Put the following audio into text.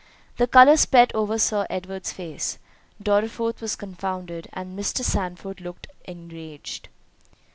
The colour spread over Sir Edward's face—Dorriforth was confounded—and Mr. Sandford looked enraged.